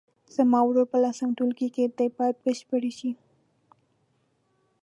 زما ورور په لسم ټولګي کې دی باید بشپړ شي.